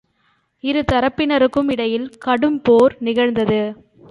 இருதரப்பினருக்கும் இடையே கடும்போர் நிகழ்ந்தது.